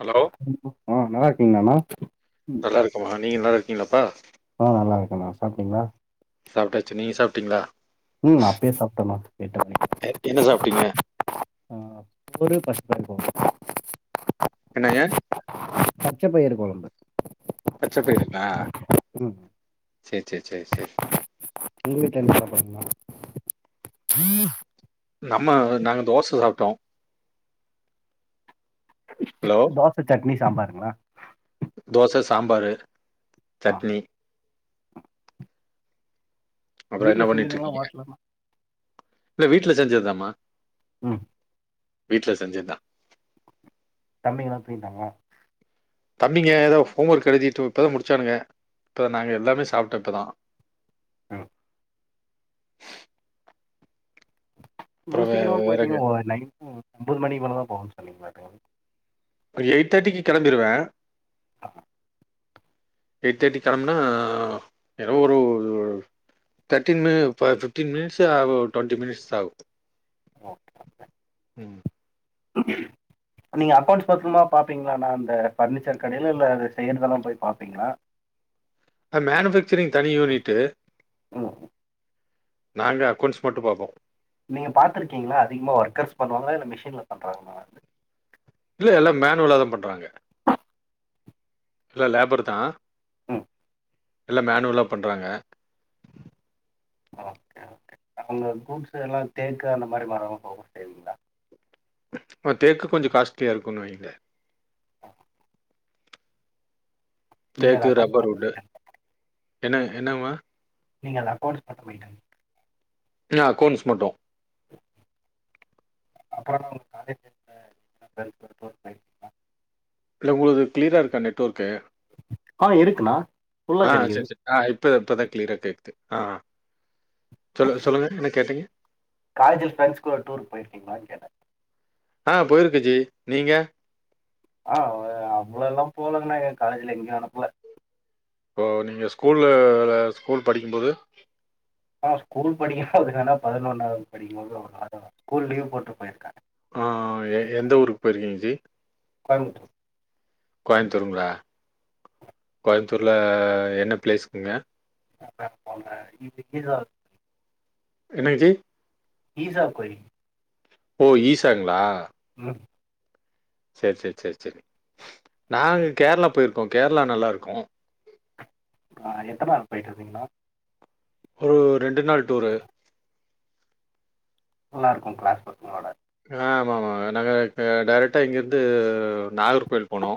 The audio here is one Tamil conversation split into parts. ஹலோ அ நல்லாருக்கீங்லானா நல்ல இருக்கமா நீங் நல்லாருக்கிங்லாப்பா அ நல்லாருக்கனா சாப்ட்டீங்ளா சாப்ட்டாச்சு நீங்க சாப்ட்டீங்ளா ம் அப்பயே சாப்ட்டன்னா கேட்டவனே எ- என்ன சாப்பிட்டீங்க ஆ ஒரு [inaudible] என்னா ஏ பச்ச பயிர் கொழம்பு பச்சப்பயிருங்ளா ம் சே சே சே சேர் உங் வீட்ல என்ன சாப்பாடுங்னா [unintelligible] நம்ம நாங்க தோச சாப்ட்டோ ஹலோ தோச சட்னி சாம்பாருங்ளா தோச சாம்பாரு ஆ சட்னி அப்றோ வீட்ல என்ன செஞ்சதுங்கலா பண்ணிட்ருக்கீங்க ஹோட்டலண்ணா இல்ல வீட்ல செஞ்செதுதாமா ம் வீட்ல செஞ்சத்தா தம்பிங்கல்லா தூங்கிட்டாங்க தம்பிங்க எதே ஃபூஒர்க் எழுதி து இப்பதா முடிச்சானுங்கா இப்பாதா நாங்க எல்லாமே சாப்ட்ட இப்பாத ஆஹ இவ்ளோ அப்புறம் வே சிக்கராமாவே வேறங்க போயிட்டீங்ளே ஒரு நைட்டு ஒம்போது மணிக்கு மேல தா போவே சொன்னிங்களாக்கா ஒரு எயிட் தேட்டிக்கு கெளம்பிருவே அ எயிட் தேட்டிக்கு கெளம்புனா என்ன ஒரு தேட்டின்னு ப ஃப்பிட்டின் மினிட்ஸே ஆகு டுவெண்ட்டி மினிட்ஸ் தா ஆகு ம் ஆஹஹ நீங்க அக்கவுண்ட்ஸ் பக்காமா பாப்பீங்ளாணா அந்த பர்னிச்சர் கடைல இல்ல அந்த செய்னுதெல்லா போய் பாப்பிங்களா மேனுஃபேக்சரிங் தனி யூனிட்டு ம் நாங்க அக்கெளண்ட்ஸ் மட்டு பாப்போ நீங்க பாத்திருகிங்களா அதிகமா ஒர்க்கர்ஸ் பண்ணுவாங்களா இல்ல மிஷின்ல பண்றங்ளா வந்து இல்ல எல்லா மேனுவலதா பண்றாங்க இல்ல லேபர் தா அ எல்லா மேனுவலா பண்றாங்க ஒகே ஒகே அவுங்க குட்ஸ் எல்லா தேக்கு அந்த மாரி மர [unintelligible] அ தேக்கு கொஞ்சோ காஸ்ட்லியா இருக்குன் வைங்ளே அ அத தேக்கு அக்கவுண்ட்ஸ் ரப்பர் மட்டும் உட்டு மெயின்டெயின் என்ன என்னங்ம்மா நீங்கள் அக்கெளசண்ட்ஸ் பாத்து மெய்ன்டன் நா ஆக்கெளசண்ட்ஸ் மட்டு அப்றோணா உங்க காலேஜ் லைப்ல [inaudible] இல்ல உங்களுக்கு க்ளிரா இருக்க நெட்வொர்க்கு ஆ இருக்குணா ஃபுல்லா ஆ கெடைக்குது சரி, சரி. ஆ இப்ப இப்பதா க்ளிரா கேக்குது ஆ சொல்லுங்க சொல்லுங்க என்ன கேட்டீங்க காலேஜ்ல ஃப்ரெண்ட்ஸ் கூட டூர் போயிர்க்கிங்ளான் கேட்டே அ போய்ர்க்க ஜி நிங்க ஆ நம்ளல்லா போலங்ண்ணா எ காலேஜ்லா எங்கியு அனுப்புல இப்போ நீங்க ஸ்கூல்ல ஸ்கூல் படிக்கும் போது ஆ ஸ்கூல் படிக்கறப்பே வேணா பதனொன்னவது படிக்கு போது ஒரு தடவ ஸ்கூல் லீவ் போட்டு போயிருக்கே ஆ எ எந்த ஊர்க்கு போயிருக்கிங் ஜி கோயம்புத்தூர் கோய்ம்த்தூருங்ளா கோய்ம்த்தூர்ல என்ன ப்ளேஸ்க்குங்க [inaudible] என்னங் ஜி ஈசா கோயில் ஓ ஈசாங்ளா ம் சேர் சேர் சேர் சேரி நாங்க கேர்ளா போயிருக்கோ கேர்ளா நல்லாருக்கு அ எத்த நாள் போயிட்டு வந்தீங்கண்ணா ஓர் ரெண்டு நாள் டூரு நல்லார்க்கு க்ளாஸ் பசங்களோட ஆமாமா நாங்க அ டைரக்ட்டா இங்கிருந்து நாகர் கோய்ல் போனோ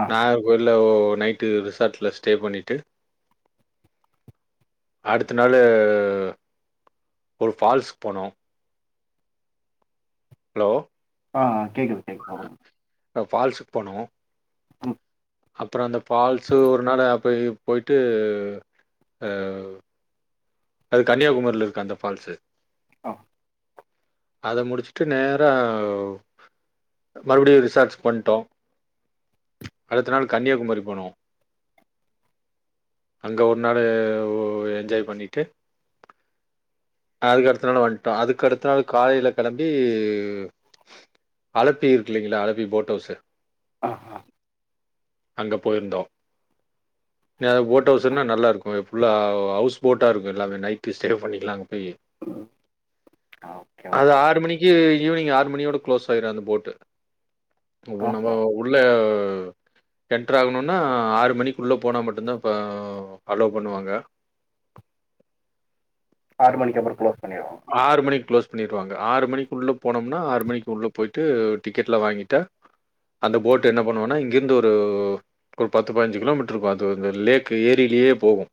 ஆ. நாகர் கோய்ல ஓ நைட்டு ரிசாட்லா ஸ்ட்டே பண்ணிட்டு அடுத்த நாலு ஒரு ஃபால்ஸ்க் போனோ ஹலோ அ அ கேக்குது ஃபால்ஸ் பண்ணுவோ ம் அப்றோ அந்த ஃபால்ஸ் ஒரு நாள் போய் போயிட்டு அ அது கன்னியாகுமாரில இருக்கு அந்த ஃபால்ஸ்சு ஆ அத முடிச்சுட்டு நேரா மறுபடியு ரிசார்ச் பண்ட்டோ ச் அடுத்த நாள் கன்னியகுமாரி போனோ அங்க ஒரு நாளு உ என்ஜாய் பண்ணிட்டு அதுக்கு அடுத்த நாள் வண்டா அதுக்கு அடுத்த நாள் காலையில கிளம்பி அளப்பி இருக்குங்கலயா அளப்பி போட் ஹவுஸ்சு ஆ ஹ அங்க போய்ருந்தோ இ அது போட்டோஸ்ன்னா நல்லா இருக்கு ஃபுல்லா ஹவுஸ் போட்டா இருக்கு எல்லாமே நைட்டு ஸ்டே பண்ணிக்கலா அங்க போய் அ அது ஆறு மணிக்கு ஈவினிங் ஆறு மணியோட க்ளோஸ் ஆயிரு அந்த போட்டு நம்ப ஓஹோ உள்ள என்டர் ஆகணுன்னா ஆறு மணிக்குள்ள போனா மட்டுதா பா அலோ பண்ணுவாங்க ஆறு மணிக்கப்பறோ க்ளோஸ் பண்ணிடுவாங்க ஆறு மணிக்கு க்ளோஸ் பண்ணிருவாங்க ஆறு மணிக்கு உள்ளே போனோம்னா ஆறு மணிக்கு உள்ள போயிட்டு டிக்கெட்லா வாங்கிட்டு அந்த போட்டு் என்ன பண்ணுவனா இங்கிருந்து ஒரு ஒரு பத்து பதினஞ்சு கிலோமீட்டர் இருக்கு அது லேக் ஏரியிலேயே போகு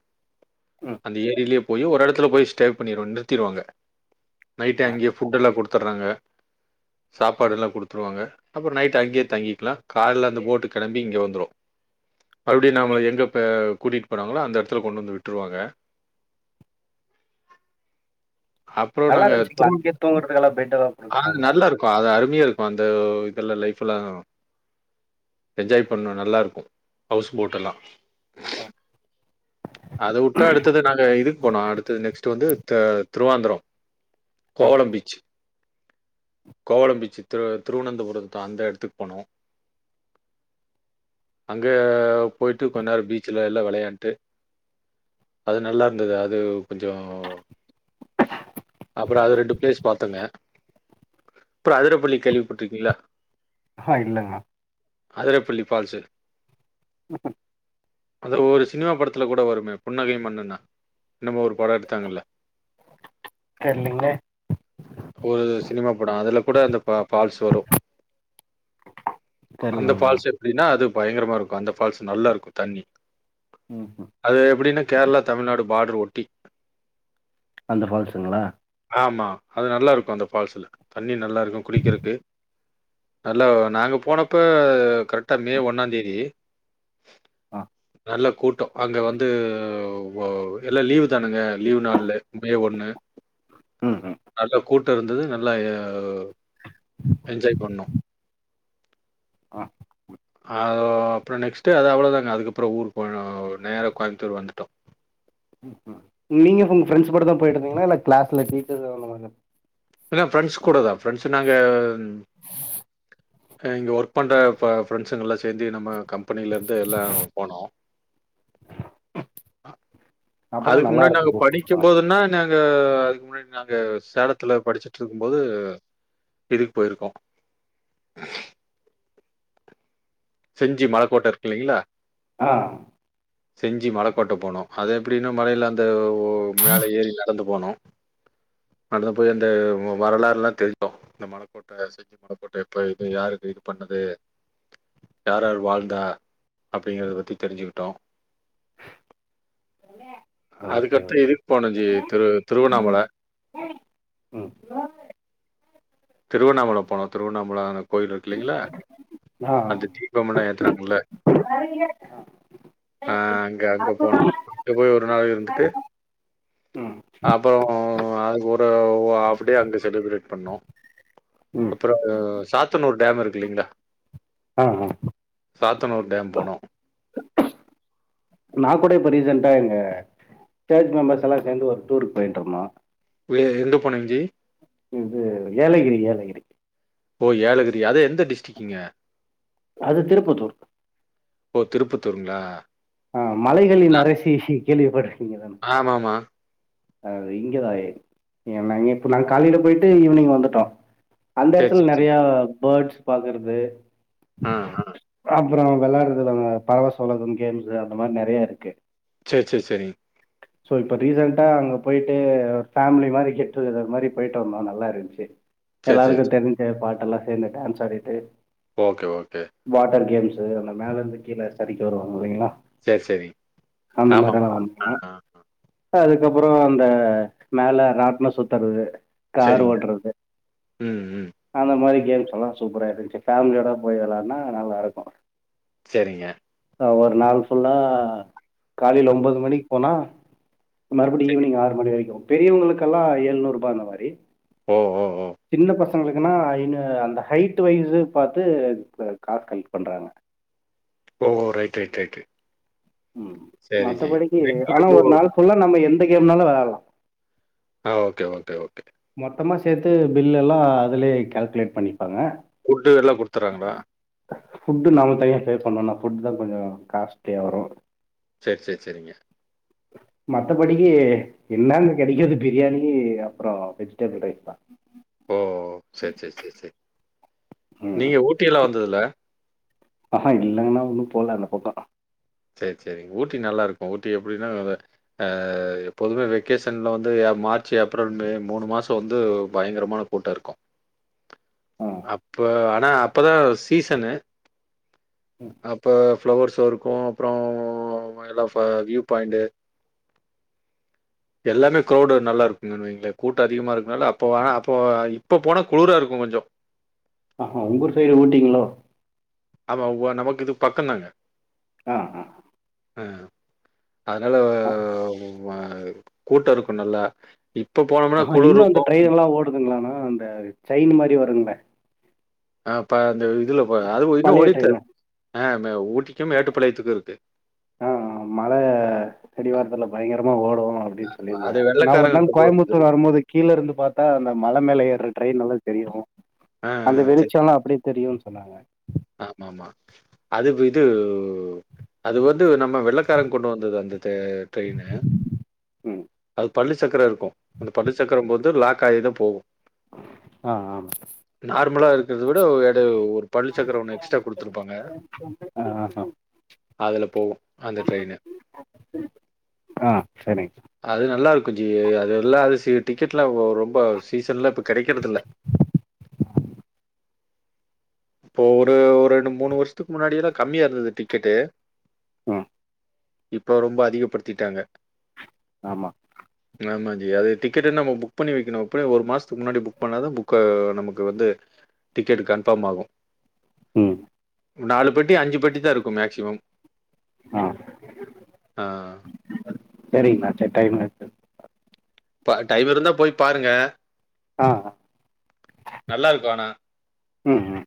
ம் அந்த ஏரியிலயே போய் ஒரு எடத்துல போய் ஸ்டே பண்ணிரூ நிறுத்திடுவாங்க நைட்டு அங்கேயே ஃபுட்டெல்லா குடுத்துறாங்க சாப்பாடுல்லா குடுத்துருவாங்க அப்றோ நைட் அங்கயே தங்கிக்கலா கால்லா அந்த போட்டு கிளம்பி இங்க வந்துரு மறுபடியு நாம்ம எங்கே பெ கூட்டிட்டு போனாங்களோ அந்த எடத்துல கொண்டு வந்து விட்ருவாங்க அப்றோ நல்லா நாங்க இருந்துச்சுங்களா தூல் அங்கேயே தூங்குறதுக்கெல்லாம் பெட் ஏதாவது அது கொடுக்குறாங்களா நல்லா இருக் பா அது அருமையா இருக்கு அந்த இதல்ல லைஃப்ல்லா என்ஜாய் பண்னோ நல்லாருக்கு ஹவுஸ் போட்டுல்லா அ அத வுட்டா அடுத்தது நாங்க இதுக்கு போனோ அடுத்தது நெக்ஸ்ட்டு வந்து தா திருவாந்திரோ ஆ கோவலம் பீச்சு கோவலம் பீச்சு திரு திருவனந்தபுரம் அந்த எடத்துக்கு போனோ அங்க போய்ட்டு கொஞ்ச நேரோ பீச்சில எல்லா வெளையாட்டு அது நல்லா இருந்தது அது கொஞ்சோ அப்றோ அது ரெண்டு பிளேஸ் பாத்தங்க அப்றோ அதரப்பள்ளி கேள்விப்பட்டுருக்கீங்களா ஆ இல்லங்மா அரதப்புள்ளி பால்ஸ்சு [inaudible] அந்த ஒரு சினிமா படத்துல கூட வருமே புன்னகை மன்னனா என்னமோ ஒரு படோ எடுத்தாங்கல்ல கேளுங்க ஒரு சினிமா படோ அதுல கூட அந்த பா பால்ஸ் வரு அந்த தெரிலங்கண்ணா ஃபால்ஸ் எப்டின்னா அது பயங்கரமா இருக்கு அந்த ஃபால்ஸ் நல்லா இருக்கு தண்ணி ம் ம் அது எப்டின்னா கேரளா தமிழ்நாடு பார்டர் ஒட்டி அந்த ஃபால்ஸுங்களா ஆமா அது நல்லா இருக்கோ அந்த ஃபால்ஸ்ல தண்ணி நல்லா இருக்கோ குளிக்கறதுக்கு நல்லவ் நாங்க போனப்ப கரெக்டா மே ஒன்னாந்தேதி ஆ நல்ல கூட்டோ அங்க வந்து போவ் எல்லா லீவு தானுங்க லீவு நாள்ல மே ஒன்னு ம் ம் நல்லா கூட்டோ இருந்தது நல்லா ஏ என்ஜாய் பண்ணோ ஆ அதோ அப்புறோ நெக்ஸ்ட்டு அது அவ்ளோதாங்க அதுக்கப்புறோ ஊர் போனோ நேர கோயமுத்தூர் வந்துட்டோ ம் ம் நீங்க உங்க ஃப்ரண்ட்ஸ் கூடாதா போயிட்டு வந்தீங்களா இல்ல கிளாஸ்ல டீச்சர்ஸ் அந்த மாரியா இல்ல ஃப்ரெண்ட்ஸ் கூட தா ஃப்ரெண்ட்ஸ் நாங்க ம் அ இங்க ஒர்க் பண்ற ப ஃப்ரெண்ட்ஸ்ங்கல்லா சேர்ந்து நம்ம கம்பெனில இருந்து எல்லா போனோ அப்போனா அதுக்கு நல்லா முன்னாடி நாங் இருக்கும் படிக் படிக் போதுன்னா நாங்க அதுக்கு முன்னாடி நாங்க சேலத்துல படிச்சுட்டு இருக்கும் போது இதுக் போயிருக்கோ செஞ்சி மலக்கோட்ட இருக்கில்லிங்ளா அ செஞ்சி மலக்கோட்ட போனோ அது எப்படின்னா மலையில அந்த ஓ மேல ஏறி நடந்துப் போனோ நடந்து போய் அந்த வரலாறுல்லா தெரிஞ் கோ இந்த மலக் கோட்ட செஞ்சி மலைக்கோட்ட இப்ப இது யாரு இது பண்ணது யார்யாரு வாழ்ந்தா அப்படிங்கறத பத்தி தெரிஞ்சுக்கிட்டோ ஓகே அதுக்குக்டுத்து ஓகே இதுக் போணோ ஜி திரு திருவண்ணாமல ம் திருவண்ணாமல போனோ திருவண்ணாமல கோயில் இருக்கில்லிங்ளா ஆ ஆ. அந்த தீபம்ன்னா ஏத்றாங்க இல்ல ஆ அங்க அங்க போனோ அங்க போய் ஒரு நாள் இருந்துட்டு ம் அப்பா அதுக் ஒரு ஹாஃப் டே அங்க செலிப்ரேட் பண்ணோ ம் அப்புறோ சாத்தனூர் டேம் இருக் இல்லிங்ளா ஆ ஆ சாத்தனூர் டேம் போனோ நா கூட இப்போ ரீசண்ட்டா எங்க சர்ச் மெம்பர்ஸ்ல்லா சேர்ந்து ஒரு டூருக்கு போய்ட்ருந்தோ வெளியே எங்க போனிங் ஜி இது ஏலகிரி ஏலகிரி ஓ ஏலகிரியா அது எந்த டிஸ்ட்ரிக்ங்க அது திருப்பத்தூர் ஓ திருப்பத்தூருங்களா ஆ மலைகளின் அரசி கேள்விப்பட்டுருக்கீங்கதான ஆமா ஆமா அ இங்கதா ஏன் நாங்க இப்போ நாங்க காலையில போயிட்டு ஈவினிங் வந்துட்டோ அந்த சரி, எத்துட்ல சரி, சரி. நறயா போர்ட்ஸ் பாக்குறது ஆ, ஆ. அப்புறோ விளயாட்ற்றதுல்லா [unintelligible] கேம்ஸ் அந்த மாரி நறைய இருக்கு சேர் செரி செரிங் ஸோ இப்போ ரீசண்டா அங்க போய்ட்டு ஒரு ஃபேமிலி மாரி கெட்டுகதர் மாரி போயிட்டு வந்தோ நல்லா இருந்துச்சு சரி, சரி, எல்லாருக்கூ சரி. தெரிஞ்ச பாட்டெல்லா சேர்ந்து டான்ஸ் ஆடிட்டு ஓகே ஓகே வாட்டர் கேம்ஸ் அந்த மேல இருந்து கீல சரிக்கி வரூ இல்லிங்களா சரி, சரி. அந்த மாரில்லா ஆமாமா. வந்தோ ஆ. அதுக்கப்புறோ அந்த மேல்ல ராட்னோ சுத்துறது கார் சரிங்க. ஓட்றது ம், ம். அந்த மாரி கேம்ஸ்ல்லா சூப்பரா இருந்ச்சு ஃபேமிலியோட போய் வெளாடுன்னா நல்லாருக்கு செரிங்க ஆ ஒரு நாள் ஃபுல்லா காலைல ம். ஒம்போது மணிக்கு போனா மறுபடியு சரி. ஈவினிங் ஆறு மணி வரைக்கு பெரியவங்களுக்கெல்லா ஏழ்நூறுபா அந்த மாரி ஓ ஒ ஒ சின்ன பசங்களுக்குனா அய்ன அந்த ஹைட்டு வைஸ்சு பாத்து க காசு கலெக்ட் பண்றாங்க ஓ ரைட் ரைட் ரைட்டு ம் சரி, சரி. மத்தபடிக்கி ஆனா ஓ. ஒரு நாள் ஃபுல்லா நம்ம எந்த கேம்னாலு வெளையாடலா ஆ ஓகே ஓகே ஓகே மொத்தமா சேர்த்து பில் எல்லா அதுலே கால்குலேட் பண்ணிப்பாங்க ஃபுட்டு எல்லா குடுத்தறாங்களா ஃபுட்டு நாம தனியா பே பண்ணனு ஃபுட்டுதா கொஞ்சோ காஸ்ட்லியா வரு சேர் சேர் செரிங்க மத்தபடிக்கு என்னா இங்க கெடைக்கர்து பிரியாணி அப்பறோ வெஜ்ஜிடபுள் ரைஸ்தா ஓ சர் சர் சர் சர் ம் நீங்க ஊட்டியெல்லா வந்ததுல ஆஹா இல்லங்ன்னா உன்னு போல அந்த பக்கோ சேர் செரிங் ஊட்டி நல்லா இருக்கு ஊட்டி எப்டினா நல்ல அ எப்போதுமே வெக்கேஷன்ல வந்து ஏ மார்ச் ஏப்ரல் மே மூணு மாசோ வந்து பயங்கரமான கூட்டோ இருக்கு ஆ அப்ப ஆனா அப்பதா சீசனு ம் அப்போ ஃப்ளவர்சு இருக்கு அப்றோ எல்லா ஃப வியூ பாயிண்டு எல்லாமே க்ரௌடு நல்லாருக்குங்கன்னு வைங்ளே கூட்டோ அதிகமா இருக்கனால அப்போ வேணா அப்போ இப்போ போனா குளுரா இருக்கு கொஞ்சோ ஆஹ உங்கூர் சைடு ஊட்டீங்ளோ ஆமா வ நமக்கு இது பக்கந்தாங்க ஆ ஆ அ அதனால ஆ. வ கூட்டோ இருக்கு நல்லா இப்ப போனோம்னா குளுர் இருக்கு க்குதுங்களானா அந்த சைனு மாரி வருங்ளே அ ப அந்த இதுல ப அது இன்னு பழைய ஒடிட்தா ட்ரெயின் ஆ மே ஊட்டிக்கு மேட்டுப்பாளயத்துக்கு இருக்கு ஆ மழ அடிவாரத்துல பயங்கரமா ஓடு அப்டினு அது சொல்லிருந்தாங்க நா வெள்ளைக்காரங்க ஒருநாள் கொண்டு கோயாமுத்தூர் வரும்போது கீழருந்து பாத்தா அந்த மல மேல ஏற ட்ரெயின் நல்ல தெரியு ஆ ஆ அந்த சரி. வெளிச்சோலா அப்டி தெரியுனு சொன்னாங்க ஆமாமா அது விது அது வந்து நம்ம வெள்ளக்கார கொண்டு வந்தது அந்த த ட்ரெயினு ம் அது பள்ளி சக்கரோ இருக்கு அந்த பள்ளி சக்கரம் போது லாக் ஆகிதா போகு ஆ ஆமா நார்மலா இருக்றத விட எட ஒரு பள்ளிச்சக்கர ஒன்னு எக்ஸ்ட்ரா குடுத்துருப்பாங்க ஆஹ அதுல போவு அந்த ட்ரெயினு ஆ சரிங் அது நல்லாருக்கு ஜி அது எல்லா அது சி டிக்கெட்லா ரொம்ப சீசன்லா இப்போ கெடைக்றதுல்ல இப்போ ஒரு ஒரு ரெண்டு மூணு வருஷத்துக்கு முன்னாடியெல்லா கம்மியா இருந்தது டிக்கெட்டு ம் இப்போ ரொம்ப அதிகப்படுத்திட்டாங்க ஆமா ஆமா ஜி அது டிக்கட்டு நம்மோ புக் பண்ணி வெக்கணு எப்டியு ஒரு மாசத்துக்கு முன்னாடி புக் பண்ணாதா புக்கா நமக்கு வந்து டிக்கட் கன்ஃபாம் ஆகு ம் நாலு பெட்டி அஞ்சு பெட்டி தா இருக்கு மேக்சிமம் ஆ சேரிங்ணா சேரி டைம் ஆச்சு ப டைம் இருந்தா போய் பாருங்க ஆ நல்லாருக்கு ஆனா ம் ம்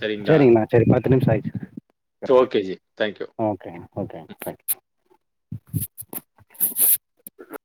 சரிங்களா? செரிங்க அண்ணா சேரி பத்து நிம்ஷோ ஆயிட்சி ஓகே ஜி. தேங்க்யூ. ஓகேங்க ஓகேங்க தேங்க்யூ